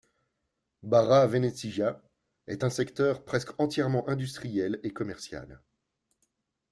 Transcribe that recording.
Bara Venecija est secteur presque entièrement industriel et commercial.